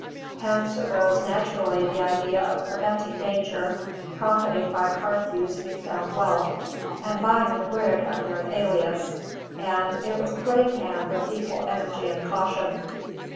Hence arose naturally the idea of preventing danger, profiting by Carthew's new found wealth, and buying the brig under an alias; and it was put in hand with equal energy and caution.